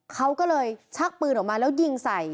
เขาก็เลยชักปืนออกมาแล้วยิงใส่